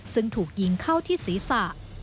ซึ่งถูกยิงเข้าที่ศีรษะ